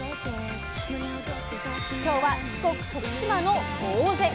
今日は四国徳島のぼうぜ。